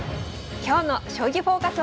今日の「将棋フォーカス」は。